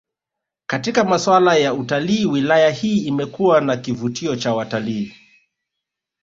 Katika maswala ya utalii wilaya hii imekuwa na kivutio cha watalii